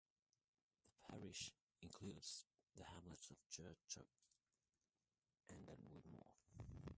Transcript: The parish includes the hamlets of Church End and Wildmoor.